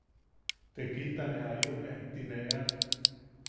Tekilta ne jariune ti ne ean.